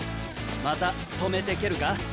また「止めて蹴る」か？